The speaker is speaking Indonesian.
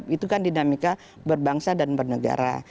itu kan dinamika berbangsa dan bernegara